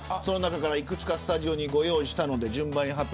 その中からいくつかスタジオにご用意しました。